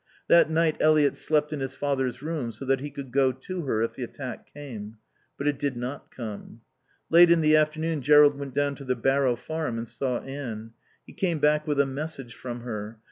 That night Eliot slept in his father's room, so that he could go to her if the attack came. But it did not come. Late in the afternoon Jerrold went down to the Barrow Farm and saw Anne. He came back with a message from her.